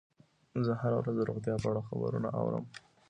زه هره ورځ د روغتیا په اړه خبرونه اورم.